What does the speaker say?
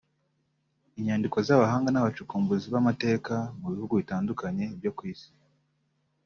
Inyandiko z’Abahanga n’abacukumbuzi b’amateka mu bihugu bitandukanye byo ku Isi